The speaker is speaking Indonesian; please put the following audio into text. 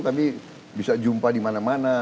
tapi bisa jumpa di mana mana